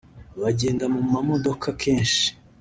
bagenda mu mamodoka kenshi